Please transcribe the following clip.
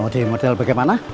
mau di model bagaimana